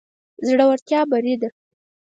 زړورتيا بري ده.